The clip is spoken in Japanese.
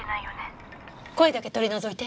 声だけ取り除いて。